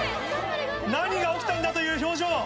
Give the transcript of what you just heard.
何が起きたんだという表情。